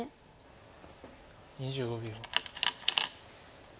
２５秒。